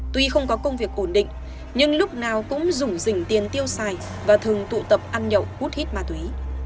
tuy không có công việc ổn định nhưng lúc nào cũng rủ dình tiền tiêu xài và thường tụ tập ăn nhậu hút hít ma túy